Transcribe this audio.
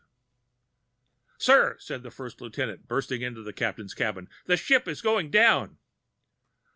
"Sir," said the first lieutenant, bursting into the Captain's cabin, "the ship is going down."